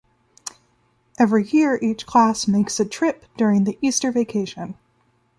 Every year each class makes a trip during the Easter vacation.